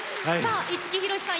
五木ひろしさん